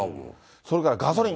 それからガソリン。